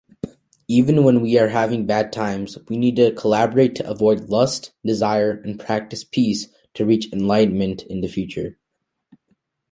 Even we are having bad times, we need to collaborate to avoid lust, desire and practice peace to reach enlightenment in future.